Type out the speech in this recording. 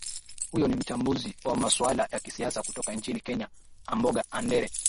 huyo ni mchambuzi wa masuala ya kisiasa kutoka nchini kenya amboga andere